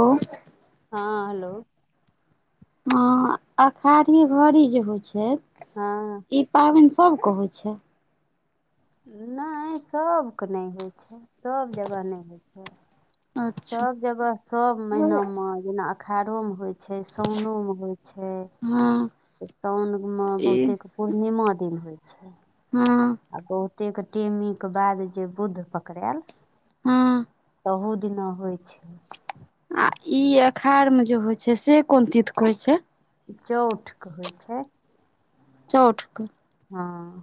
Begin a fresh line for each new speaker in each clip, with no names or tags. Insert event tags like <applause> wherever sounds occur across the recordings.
ओ,
हाॅं, हलो।
हाॅं, अखाढ़ी घड़ी जे होइ छै।
हाॅं,
ई पाबैन सबके होइ छै।
नहि, सबके नहि होइ छै, सब जगह नहि होइ छै।
अच्छा
सब जगह, सब महिनामे, जेना अखाढ़ोमे होइ छै। छै, साउनोमे होइ छै,
हँ
साउनमे
ई
बहुते पूर्णिमा दिन होइ छै।
हूॅं।
आ बहुते के, टेमीके बाद जे बुध पकड़ायल,
हूॅं,
ओहो दिना होइ छै।
आ, ई अखाढ़ में जे होइ छै, से कोन तीथ के होइ छै।
चौठके होइ छै।
चौठके,
हाॅं।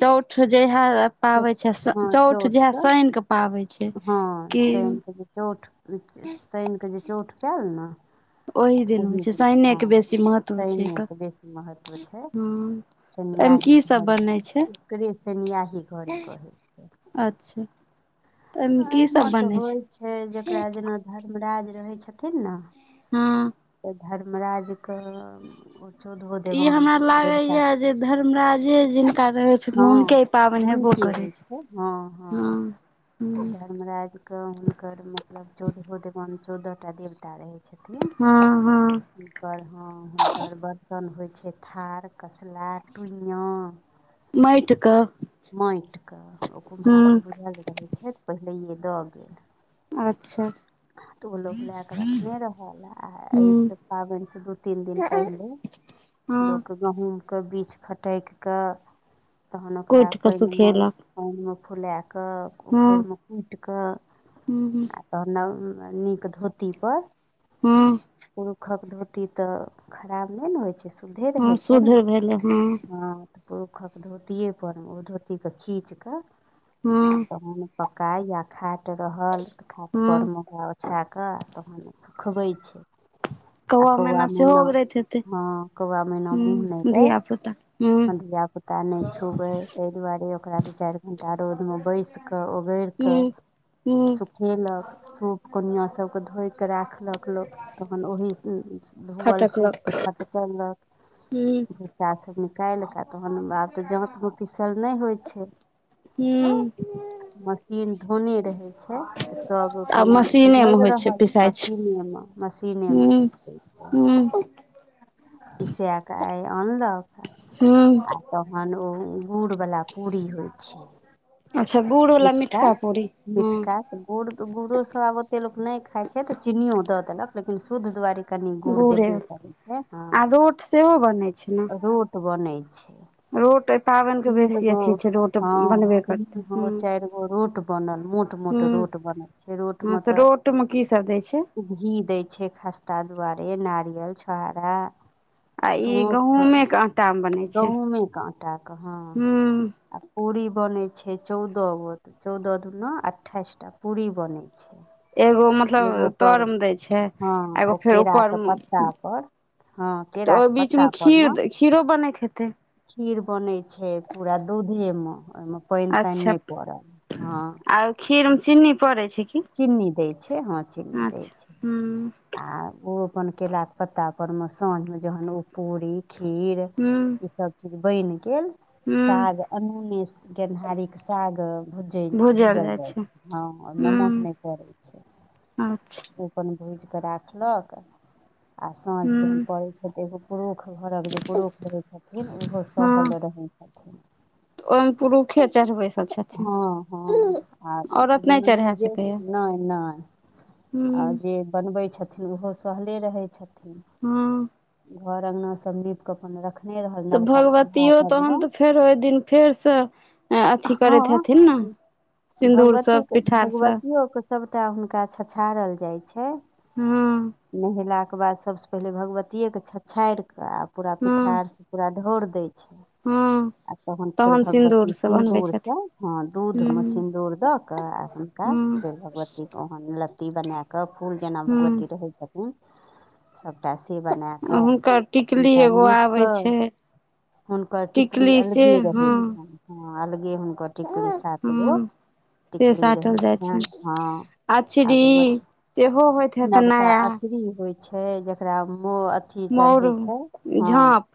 चौठ जहिया पाबै छै,
हँ
चौठ जहिया,
के
शइन कऽ पाबै छै। छै,
हँ
की
शनि के जे चौठ, शइन के जे चौठ पयैल ने
ओहि
तऽ
दिन होइ छै,
दिना हँ
शइनेके बेसी महत्व छै एकर।
शइनक बेसी महत्व छै
एहिमे
शनियाही
की सब
घड़ी,
बनै छै
एकरे शनियही घड़ी कहै छै।
अच्छा, तऽ एहिमे की सब
तऽ
बनैय
होइ
छै।
जेकरा जेना धर्मराज रहै छथिन ने,
हाॅं।
तऽ धर्मराजक, ओ चौदहो
ई
देवान
हमरा
देवता
लागैया जे धर्मराजे, जिनका रहै
हँ
हुनके ई पाबैन हेबौ
हुनके
करै
होइ
छै,
हँ हँ
हाॅं,
तऽ
हूॅं।
धर्मराज त हुनकर मतलब, चौदहो देवान, चौदह टा देवता रहै छथिन।
हँ हँ
हुनकर, हाॅं हुनकर बर्तन होइ छै, थार, कसला, टुनिआ
माटि कऽ
माटिके, ओ
हूँ
कुम्हारके बुझल रहै छथि, पहिलैए दऽ गेल।
अच्छा।
तऽ ओ लोक लए कऽ रखने रहल, आ
हूँ
एहिसे पाबैनसे दू तीन दिन पहिले।
हूॅं।
गहूमके, बीछ फटैकिकऽ तहन ओकरा
कुटि कऽ
पइनमे,
सुखेलक
पइनमे फुलाकऽ,
हँ
उखरिमे कुट कऽ
हूँ
आ तहन नब नीक धोतीपर
हँ
पुरुखक धोती तऽ खाराब नहि ना होइ छै शुद्धे
हँ
रहै छै
शुद्ध
ने
भेलै हँ।
पुरुषक धोतिएपर ओ धोतीके खीच कऽ आ
हँ
तहन पकाए या खाट रहल खाट
हँ
पर म बिछा कऽ तहन सुखबै छै आ कौआ
सेहो
मैना
उगरैत हेतै
हँ कौआ मैना मुँह नहि
हूँ
दइ
धिया पुता हूँ
धियापुता नहि छुबै ताहि दुआरे ओकरा दू चारि घंटा रौद में बसि के ओगरि कय
हूँ हूँ
सुखेलक सूप कोनिया सबके धोइ कय राखलक लोक तहन ओहि धुअल
फटकलक
सूपसँ फटकि करलक
हूँ
दुशासन कालि क तहन आब तऽ जाँतमे पीसल नहि होइ छै।
हुं।
मशीन धोने रहे छै त सब
आब
अखन
मशीने मे
बुझल
होइ छै
रहत शीने म मशीने म पी
हू।
पीसा क आइ अनलक।
हुं।
तहन ओ गुड़ बला पूरी होइ छै।
अच्छा गुड़ वला
मिठका
पूरी हूँ
मिठका गुड़ गुड़ो सब आब ओते लोक नहि खाइ छै तऽ चीनीयो दऽ देलक लेकिन शुद्ध दुआरे कनी गुड़
गुड़े
देबे करै छै हँ।
आ रोट सेहो बनै छै ने।
रोट बनै छै।
रोट एहि पाबनिके
तीन
बेसी
गो
अथी छै रोट
हँ
बनबे
तीन
करतै हूँ
गो चारि गो रोट बनल मोट मोट
हूँ
रोट बनै छै
हँ
रोटमे
तऽ रोटमे की सब दै छै
तऽ घी दय छै खस्ता दुआारे नारियल छहारा।
आ इ गहूँमे के आटा मे बनेय
गहुँमेक आटा क हँ। आ पूड़ी बनै छै चौदह गो त चौदह दुन अठाइस टा तऽ पूरी बनै छै।
एगो
एगो
मतलब
पर
तरमे दै छै
हँ
आ एगो
ओ
फेर
केराके
ऊपरमे
पत्तापर हँ
तऽ ओहि
केराक के
बीचमे
पत्ता पर म
खीर खीरो बनैत हेतै
खीर बनैत छै पूरा दूधे मे ओहिमे पानि तानि नहि परैल हँ।
खीर मे चीन्नी पड़ै छै कि?
चीनी दै छै हँ चीनी दै छै।
हूँ
आ ओ अपन केरा के पत्ता पर मे साँझ मे जहन ओ पूरी खीर
हूँ
ई सब चीज बनि गेल।
हूँ
साग अनूने गेनहारी के साग भूजे भूजल जाय छै। हँ नमक
हूँ
नहि परै छै
अच्छा
ओ अपन भूजि कऽ राखलक। आ साँझ जहन
हूँ
पड़ै छै तऽ एगो पुरुष घरक जे पुरूख रहै छथिन ओहो
हँ
सहल रहैए छथिन।
ओहिमे पुरुषे चढ़बै छै।
हँ हँ आ
औरत नहि
जनानियो
चढ़ा
जे
सकैए
नहि नहि।
हूँ
आ जे बनबै छथिन ओहो सहले रहै छथिन।
हूम्म।
घर अङना सब नीप कऽ अपन रखने रहल
तऽ
नबका चूल्हा
भगवतियो
पर
तहन
म
तऽ फेर ओइ दिन फेर से अथी करैत
हँ
हेथिन न सिन्दूर सॅं पीठार सॅं
सबटा हुनका छछाड़ल जाइ छै।
हूम्म।
नहेलाक बाद सबसँ पहिले भगवतीये के छछाड़ि कऽ आ पूरा
हँ
पीठार से पूरा ढ़ौर दै छै
हँ
आ तहन फेर भगवती
सिन्दूरसँ बनबै
सिन्दूर
छथिन
हॅं दूध मे
हूँ
सिन्दूर दऽ कऽ आ हुनका
हूँ
फेर भगवतीक ओहन लत त्ती बनेए कऽ फूल जेना
हूँ
भगवती रहै छथिन सबटा से बनेए
हुनकर टिकली
हुनका
एगो
नीक
आबै
कऽ
छै
हुनकर टिकली
से
अलगे
हँ
रहै छनि हँ अलगे हुनकर टिकली सात गो
हँ से
टिकली
साटल
रहै
जाइ
छनि
छै
हँ आ
चिड़ी
भगबती
सेहो होइत हेत
नबका
नया
अचरी होइ छै जकरा म
मौर झाँप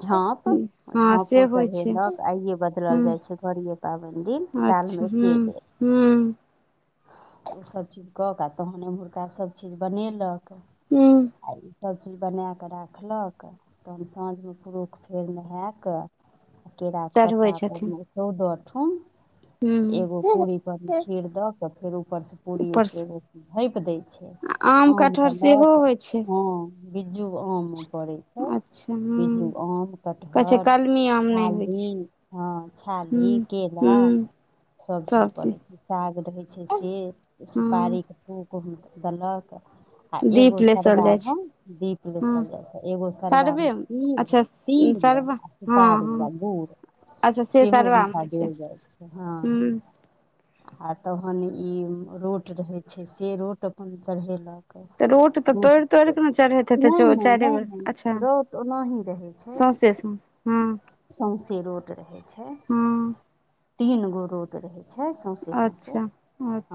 झांप
हँ से
झांपो
होइ छै
चढ़ेलक आइये बदलल
हूँ
जाय छै घड़ीये पाबैन पाबनि दिन साल में
अच्छा हूँ
एके बेर।
हूँ
त ओ सब चीज कऽ क आ तहन एमहुरका सबचीज बनेलक
हूँ
आ इ सबचीज बनेएकऽ राखलक तहन साँझ में पुरुष फेर नहेएकऽ केराक
चढ़बै
पत्ता पर
छथिन
मे चौदऽ ठुम
हूँ
एगो पूरी पर म खीर दऽ कऽ फेर उपर से पूरीये से
ऊपरसँ
एगो झाँपि दै छै आम
कटहर
देलक
सेहो होइ छै
हँ। बीज्जू आम पड़ै छै।
अच्छा
बिज्जू
हूँ
आम
कहै छै
कटहर
कलमी आम नहि होइ
छाल्ही
छै
हँ
हूँ
छाल्ही।
हूँ
सब चीज पड़ै छै साग रहै छै से
हँ
सुपारी। <unintelligible> देलक। आ एगो
दीप लेसल
सरबा
जाइ छै
म दीप
हँ
लेसल जाइ छै एगो सरबा म
सरबे
तील,
अच्छा
तील
सरबा हँ
सुपारी या
हँ
गुड़।
अच्छा से सरबा मे
हॅं देल जाइ छै हँ। आ तहन इ रोट रहै छै से रोट अपन चढ़ेलक।
त रोट त तोइड़ - तोइड़
रोट
क ने चढ़ैत हेतै
नहि
च
नहि
चाइरे
नहि
गोर
नहि
अच्छा।
रोट ओनाही रहै छै
सौंसे सौंसे हँ।
सौंसे रोट रहै छै।
हँ
तीन गो रोट रहै छै सौंसे सौंसे
अच्छा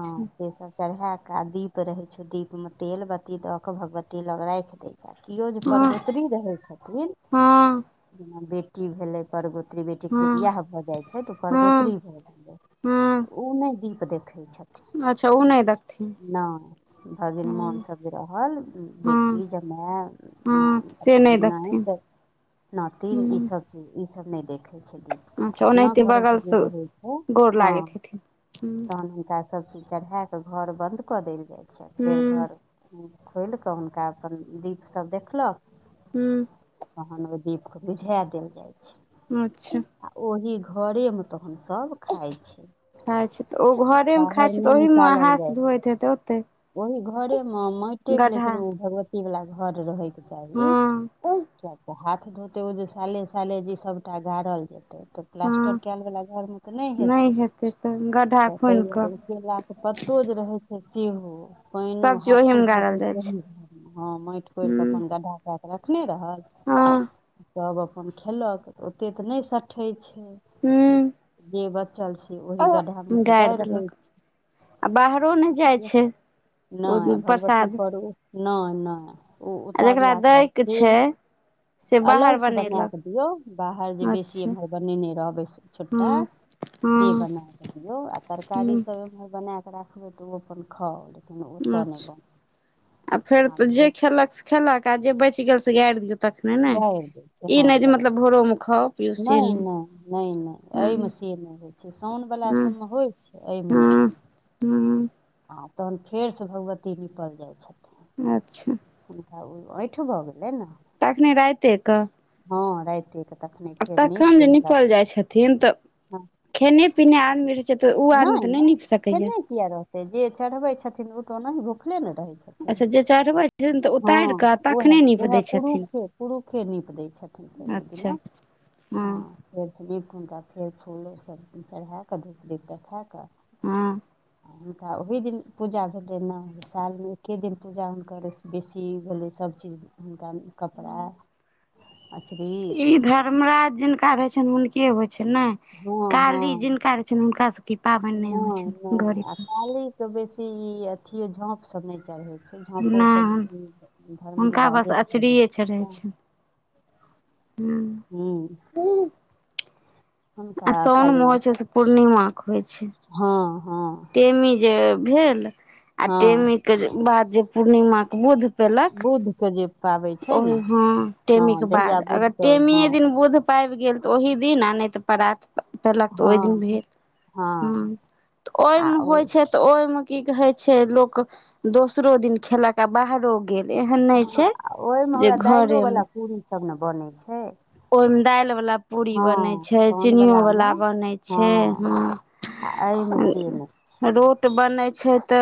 हँ से सब। चढ़ेए के आ दीप रहै छै दीप मे तेल बत्ती दऽ के भगवती लग राखि दै। कियो जे
हँ
परगोतरी रहै छथिन
हँ
जेना बेटी भेलै परगोतरी। धी बेटीके जे
हँ
बियाह भऽ जाइ छै त ओ
हँ
परगोतरी भऽ गेलै
हँ
उ नै दीप देखै छथिन।
अच्छा ओ नै द
नै भगिन मान सब जे रहल
हँ
बेटी जमाय
हँ से नहि देखथिन
नाइत नातिन इ
हँ
सब चीज इ सब नै देखै छै दीप।
अच्छा
अपना
ओनाहिते
घरक जे
बगलसँ
रहै छै
गोर
हँ
लागैत हेथिन हूँ
तहन सब चीज चढ़ेए कऽ घर बन्द कऽ देल जाइ छै फेर
हूँ
घर खोलि कऽ हुनका अपन दीप सब देखलक।
हूं।
आ तहन ओहि दीपकेँ बुझाए देल जाइ छै।
अच्छा!
आ ओही घरे में तहन सब खाइ छै।
अच्छा ओ घरे में
बाहर
खाइ छै, तऽ
नहि
ओहिमे
निकालल
हाथ
जाइ छै
धोइत हेतै ओतै।
ओहि घरे में मैटे के लेकिन उ भगवती वाला घर रहै छै। चाही,
हँ
कियाक तऽ हाथ धोत ओतेक ओ जे साले- साले जे ई सबटा गाड़ल जेतै तऽ प्लास्टर
हँ
कैलवला घरमे तऽ नहि हेतै,
तऽ गड्ढा
तऽ ताहि
खुनि कऽ
दुआरे केलाके पत्तो जे रहै छै सेहो। पाइनों
सभचीज
हाथो
ओहिमे गाड़ल
धोतै
जाइ
तऽ
छै
ओहिमे, माटि कोर के
हूँ
अपन गढ्ढा कऽ के रखने रहल।
हँ
तब अपन खेलक ओतेक तऽ नैय सठै छैय।
हूँ
जे बचल से ओहि गड्ढा मे कै
गाड़ि
गारि दैय
देलक
छैय।
आ बाहरो नैय जाइ छैय, उ प्रसाद।
नैय- नैय।
जेकरा दैय के छैय
अलगसँ बनैय के दियौ बाहर जे बेसी
अच्छा
एमहर बनेनै रहबै छुट्टा
हँ
से
हँ
बनै के दिऔ आ तरकारी
हूँ
त बनैकै राखबै तऽ ओ अपन खाउल।
अच्छा आ फेर तऽ जे
आब
खेलक से खेलक आ जे बैच गेल से गारि दिऔ तखने ने
गारि दै छै
ई
हँ
नैय जे
गारि
मतलब
दै छै
भोरोमे खाउ पिउ से
नहि
नैय।
नहि नहि एहिमे से नहि होइ छै, साउनवला सबमें होइ छै, एहिमे नहि होइ छै।
हूं।
आ तहन फेरसँ भगवती निपल जाइ छैथ।
अच्छा!
हुनका ओ आइंठ भऽ गेलैने।
तखने राते के।
हँ राइते कै
तखन जे निपल जाय छथिन तऽ
हँ,
खेनैय-पिनैय आदमी रह छै, उ आदमी
नहि
ते नैय
नहि
नीप सकैय यै।
खेने किया रहतैय, जे चढ़बै छथिन उ तऽ ओनाही भुखले ने रहैय छैय।
अच्छा जे चढ़बै छथिन तऽ
हँ
उतारि कऽ तखने नीप
उहैय-उहैय
दै छथिन
पुरुखे-पुरुखे नीप दैय छथिन। फेर ओय
अच्छा
दिना
हँ
हाँ। फेर नीप हुनका फेर फूल सब चढाकऽ धूप दीप देखा कऽ
हँ।
आ हुनका ओहि दिन पूजा भेलैय नैय, साल में एक्के दिन पूजा हुनकर ऐसैय बेसी भेलैय सबचीज में हुनका कपड़ा अंचरी।
ई धर्मराज जिनका रहैय छैन, हुनके होइ छैन नैय।
हँ
काली
हँ
जिनका रहैय छैन, हुनका सबके इ पाबनि नैय होइ छैन घरै पर।
तऽ बेसी ई अथी झांप सब नैय चढबैय फेर झाँपो सब
नहि
धर्ममे
हुनका बस
राजेके चढै
अचरिये छै रहै
छाइन।
छनि
हूं।
आ सौनमे होइ छै से पूर्णिमा के होइ छैय।
हँ -हँ।
टेमी जे भेल आ
हँ
टेमी के जे बाद जे पूर्णिमा के बुध पेलक
बुध के जे पाबै छै ने
ओहि, हाँ
हँ
टेमी के
जहिया
बाद
बुध
अगर
के हँ
टेमीए दिन बुध पाबि गेल तऽ ओहि दिन आ नैय तऽ परात पैयलक तऽ ओहि दिन
हँ
भेल, हँ। ओय
आ
मे
ओ
होइ छैय तऽ ओय मे की कहैय छै लोक दोसरो दिन खेलक आ बाहरो गेल, एहन नैय छैय, जे घरे में।
पूड़ी सब ने बनै छैय।
ओयमे दालि वला पूड़ी बनैय छैय,
साउन
चीनीयो
मे
वला बनैय
हँ
छैय हां।
आ ऐइमें से नैय छैय।
बनै छैय ते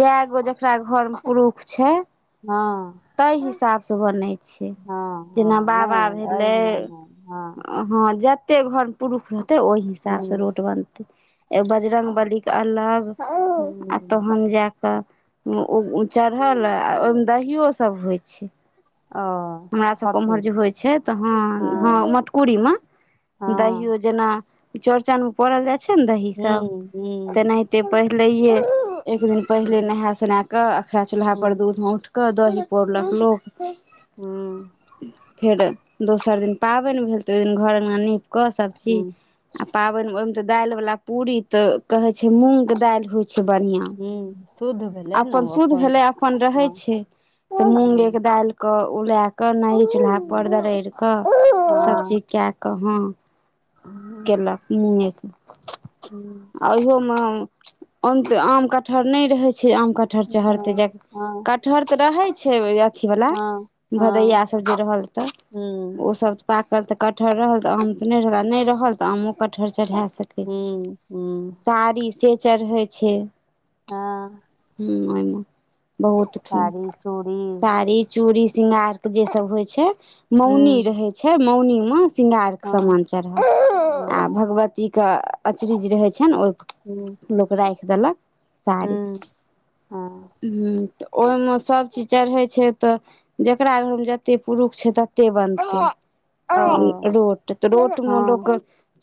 जायगो जकरा घर मे पुरुख छैय
हँ
तैय हिसाबसै बनैय छैय,
हँ हँ
जेना बाबा
नहि
भेल
एहिमे नहि हँ
हँ जतेक घरमे पुरुख रहतैय, ओहि हिसाबसै
हुँ
रोट बनतैय। ऐ बजरंग बली के अलग, आ
हुँ
तखन जाय तब उउ चढ़ल, ओहिमे दहियो सब होइ छैय।
ओ
हमरा सबके उमहर जे
छछिन
होइ छैय त हँ हँ मटकुरी मे
हँ
दहियो जना चौड़चन पौरल जाइ छैय ने दही सब,
हुँ हुँ
तेनाहिते पहिलैइये एक दिन पहिले
हुँ
नहाए सुनाए कऽ अखरा चूल्हा पर
हुँ
दूध औंट कऽ दही पौरलक लोक।
हुं।
फेर दोसर दिन पाबनि भेल तऽ ओहि दिन घर अंगना नीप कऽ सभचीज
हुँ
आ पाबनि मे ओहिमे तऽ दालि बला पूरी तऽ कहे छै मूँंग के दालि के होइ छै बढ़ियां
हुँ शुद्ध भेलै ने ओ
अपन शुद्ध भेलै अपन रहै
हँ
छै तऽ
हाँ
मूंगेके दालि कऽ उला कऽ नये चूल्हा
हम्म,
पर दरड़ि कऽ
हाँ
सभचीज कए कऽ हँ केलक मुँगेके
हाँ
आ इहोमे आम काटि कटहर नहि रहे छै आम कटहर चहरतै जा कटहर तऽ रहै छै अथी वला
हाँ
भदैया
हाँ
सब जे रहल तऽ
हम्म
ओ सब पाकल तऽ कटहर रहल त आम त नहि रहल आ नहि रहल त आमो कटहर चढ़ा सकै
हम्म हम्म
साड़ी से चढ़ै छै।
हाँ
हॅं ओहिमे बहुत ठाम
साड़ी चूड़ी
साड़ी चूड़ी सिंगार के जे सब होय छै, मौनी
हूँ
रहै छै, मौनी में सिंगार के
हँ
समान चढ़ाउ
ओ
आ भगवती के अचरी जे रहै छनि ओहि
हूँ।
लोक राखि देलक साड़ी।
हूँ हँ
हूॅं तऽ ओहिमे सभचीज चढ़ै छै तऽ जकरा घरमे जते पुरुष छै तते बनतै।
ओ
रोट तऽ रोट
हँ
मे लोक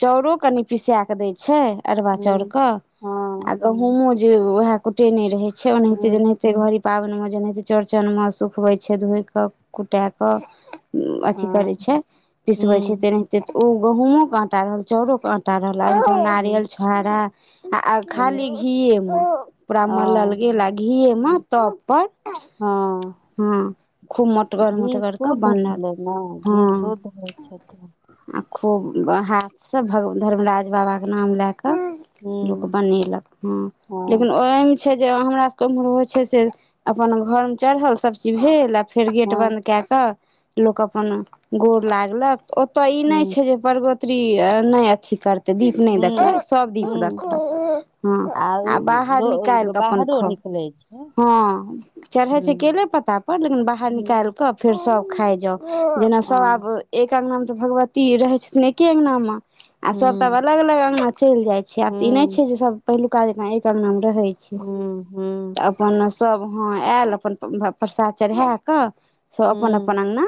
चाउरो कनि पिसा क दै छै अरबा चाउर
हूँ
के आ
हँ
गहुमो जे वैह कूटेने रहे छै ओनाहिते
हूँ
जेनाहित कतेक घड़ी पाबनिमे जेनाहिते चौड़चनमे सुखबै छै धोए कऽ कुटाए कऽ अथी करे
हँ
छै पिसबै छै
हूँ
तेनाहिते ओ गहुमो के आंटा रहल चाउरो के आंटा रहल आ
हूँ
नारियल छोहारा आ
हूँ
खाली घी मे पूरा मलल
ओ
गेल आ घीये मे
हूँ
तब पर
हँ
हँ खूब मोटगर
घी
मोटगर के
शुद्ध
बनल
भेलै ने घी
हँ
शुद्ध भेल होइ छै।
आ खूब हाथसँ भगवान धर्मराज बाबाके नाम लए कऽ
हूँ
लोक बनेलक हँ लेकिन
हँ
ओहिमे जे हमरा सबके उम्हर होइ छै से, अपन घर मे चढ़ल, सब चीज भेल। फेर गेट
हँ
बंद कए कऽ, लोक अपन गोर लागलक, ओतय ई
हूँ
नहि छै जे परगोतरी नहि अथी करतै, दीप नहि
हुं
देखलक, सब दीप
हुं
देखलक। हँ,
आउ
आ बाहर निकालि
दो
कऽ अपन
बाहरो
खाउ,
निकलै छै
हँ। चढ़ै छै
हुं
केले पत्ता पर, लेकिन बाहर
हुं
निकालि कऽ फेर सब खाइ जाउ, जेना सब
हँ
आब एक अंगनामे तऽ भगवती रहै छथिन एके अंगनामे। आ सब त
हुं
आब अलग -अलग अंगना मे चलि जाय छै, आब तऽ ई नहि
हुं
छै जे सब पहिलुका जेका एक अंगना मे रहै छै। तऽ
हुं हुं
अपन सभ ह, आयल अपन प्रसाद चढ़ा कऽ सब अपन-
हुं
अपन अंगना